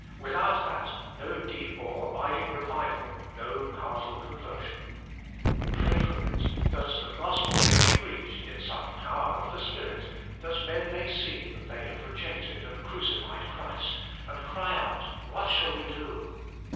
Without that, no deep or abiding revival, no powerful conversion. Pray for it, that the gospel may be preached in such power of the Spirit, that men may see that they have rejected and crucified Christ, and cry out, What shall we do